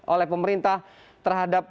oleh pemerintah terhadap